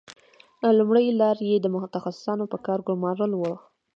لومړۍ لار یې د متخصصانو په کار ګومارل وو